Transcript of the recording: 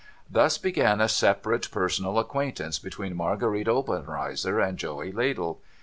Thus began a separate personal acquaintance between Marguerite Obenreizer and Joey Ladle.